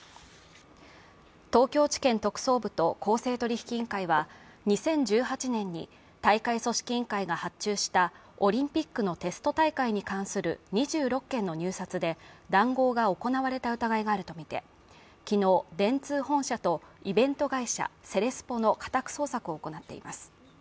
東京地検特捜部と公正取引委員会は、２０１８年に大会組織委員会が発注したオリンピックのテスト大会に関する２６件の入札で談合が行われた疑いがあるとみて昨日、電通本社とイベント会社セレスポの家宅捜索を行っています。